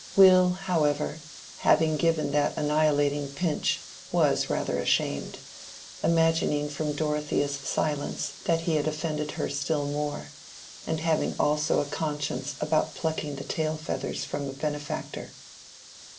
Will, however, having given that annihilating pinch, was rather ashamed, imagining from Dorothea's silence that he had offended her still more; and having also a conscience about plucking the tail feathers from a benefactor.